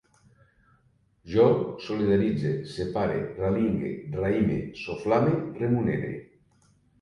Jo solidaritze, separe, ralingue, raïme, soflame, remunere